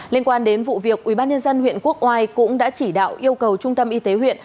liên quan đến vụ việc ubnd huyện quốc oai cũng đã chỉ đạo yêu cầu trung tâm y tế huyện